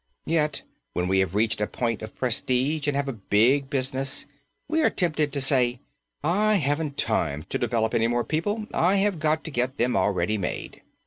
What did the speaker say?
Yet when we have reached a point of prestige, and have a big business, we are tempted to say: "I haven't time to develop any more people, I have got to get them already made."